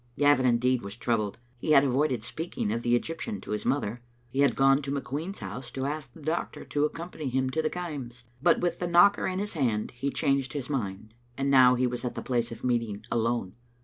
Gavin, indeed, was troubled. He had avoided speak ing of the Egyptian to his mother. He had gone to McQueen's house to ask the doctor to accompany him to the Kaims, but with the knocker in his hand he changed his mind, and now he was at the place of meet ing alone.